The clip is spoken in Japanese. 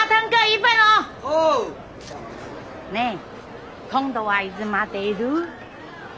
で今度はいつまでいる？